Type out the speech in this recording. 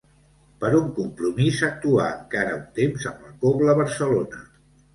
Per un compromís actuà encara un temps amb la Cobla Barcelona.